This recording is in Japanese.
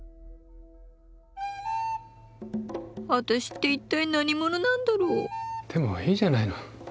私って一体何者なんだろう？でもいいじゃないの。